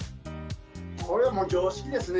これはもう常識ですね。